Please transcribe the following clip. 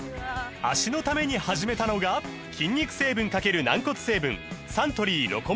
脚のために始めたのが筋肉成分×軟骨成分サントリー「ロコモア」です